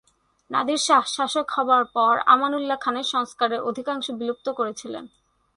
নাদির শাহ শাসক হওয়ার পর আমানউল্লাহ খানের সংস্কারের অধিকাংশ বিলুপ্ত করেছিলেন।